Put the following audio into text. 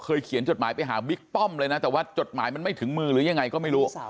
เขียนจดหมายไปหาบิ๊กป้อมเลยนะแต่ว่าจดหมายมันไม่ถึงมือหรือยังไงก็ไม่รู้